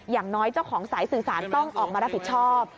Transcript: อย่างน้อยเจ้าของสายสื่อสารต้องออกมารับผิดชอบ